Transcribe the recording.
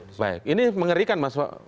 oke baik ini mengerikan mas